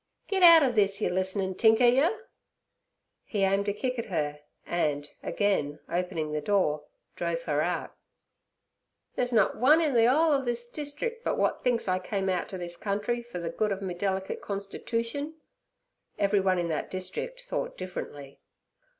'Get out ov this, yer listenin' tinker yer!' He aimed a kick at her. and, again opening the door, drove her out. 'There's nut one in the 'ole ov this districk but w'at thinks I come out to this country fer ther good ov me delicate constitootion.' (Everyone in that district thought differently.)